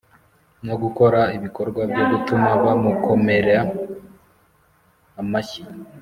no gukora ibikorwa byo gutuma bamukomera amashyi